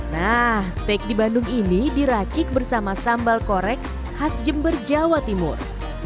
nah steak di bandung ini diracik bersama sambal korek khas jember jawa timur